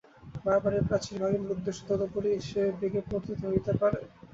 বার বার এই প্রাচীর ভাঙিবার উদ্দেশ্যে তদুপরি সে বেগে পতিত হইতে পারে।